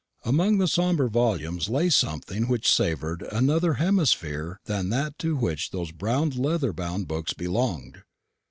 Among the sombre volumes lay something which savoured of another hemisphere than that to which those brown leather bound books belonged.